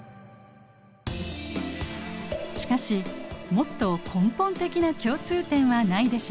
しかしもっと根本的な共通点はないでしょうか？